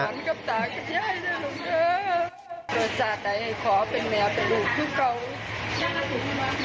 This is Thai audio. เผื่อสาวใจคอยเป็นแม่กันลูกกัน